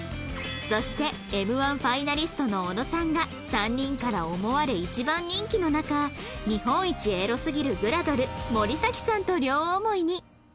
そして Ｍ−１ ファイナリストの小野さんが３人から思われ一番人気の中日本一エロすぎるグラドル森咲さんと両思いに